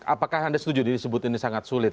apakah anda setuju disebut ini sangat sulit